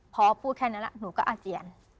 พอพูดแค่นั้นแล้วหนูก็อาเจียน